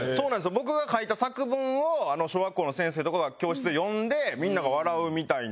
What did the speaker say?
僕が書いた作文を小学校の先生とかが教室で読んでみんなが笑うみたいな。